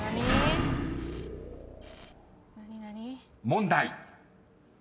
［問題］